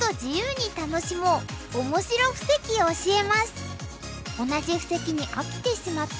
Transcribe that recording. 今週の「同じ布石に飽きてしまった」。